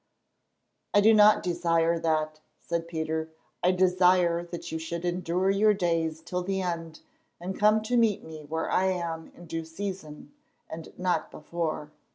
"I do not desire that," said Peter. "I desire that you should endure your days till the end, and come to meet me where I am in due season, and not before.